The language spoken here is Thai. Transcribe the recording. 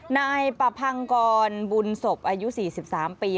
นายปะพังกรบุญศพอายุ๔๓ปี